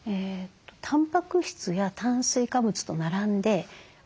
たんぱく質や炭水化物と並んであぶら。